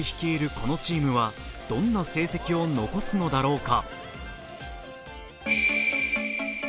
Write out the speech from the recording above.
このチームは、どんな成績を残すのだろうか。